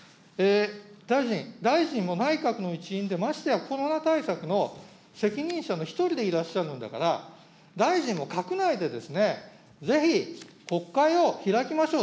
大臣、大臣も内閣の一員で、ましてやコロナ対策の責任者の一人でいらっしゃるんだから、大臣も閣内でですね、ぜひ国会を開きましょう。